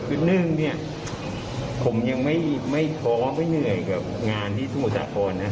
คือหนึ่งเนี่ยผมยังไม่ท้อไม่เหนื่อยกับงานที่สมุทรสาครนะ